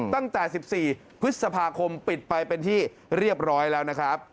ตั้งแต่๑๔พฤษภาคมปิดไปเป็นที่เรียบร้อยแล้วนะครับ